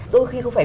đôi khi không phải